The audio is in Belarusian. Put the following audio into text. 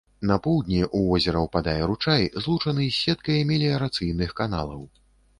На поўдні ў возера ўпадае ручай, злучаны з сеткай меліярацыйных каналаў.